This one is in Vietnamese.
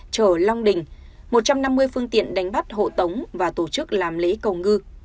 chở long đình một trăm năm mươi phương tiện đánh bắt hộ tống và tổ chức làm lễ cầu ngư